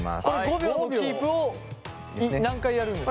５秒のキープを何回やるんですか？